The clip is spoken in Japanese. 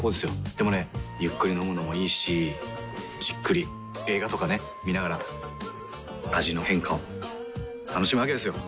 でもねゆっくり飲むのもいいしじっくり映画とかね観ながら味の変化を楽しむわけですよ。